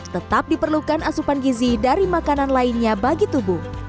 tetap diperlukan asupan gizi dari makanan lainnya bagi tubuh